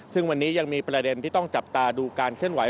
ซึ่งวันนี้ยังมีประเด็นที่ต้องจับตาดูการเคลื่อนไห